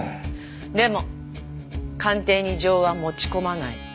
でも鑑定に情は持ち込まない。